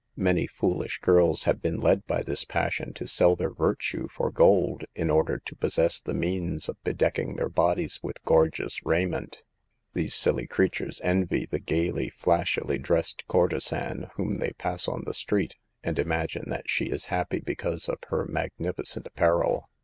Many foolish girls have been led by this passion to sell their virtue for gold, in order to possess the means of bedeck ing their bodies with gorgeous raiment. These silly creatures envy the gaily, flashily dressed courtesan whom they pass on the street, and imagine that she is happy because of her mag nificent apparel.